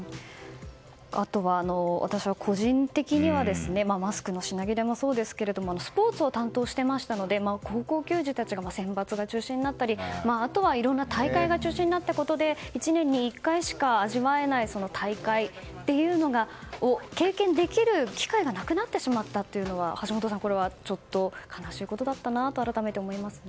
あとは、私は個人的にはマスクの品切れもそうですけどスポーツを担当していましたので高校球児たちがセンバツが中止になったりいろんな大会が中止になったことで、１年に１回しか味わえない大会というのが経験できる機会がなくなってしまったのは橋下さん、悲しいことだったなと改めて、思いますね。